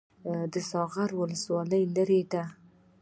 د ساغر ولسوالۍ لیرې ده